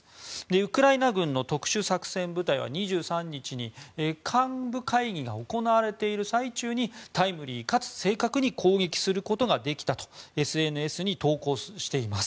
ウクライナ軍の特殊作戦部隊は２３日に幹部会議が行われている最中にタイムリーかつ正確に攻撃することができたとＳＮＳに投稿しています。